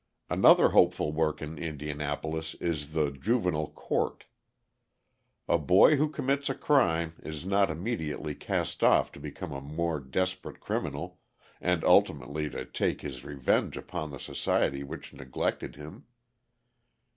Another hopeful work in Indianapolis is the juvenile court. A boy who commits a crime is not immediately cast off to become a more desperate criminal and ultimately to take his revenge upon the society which neglected him.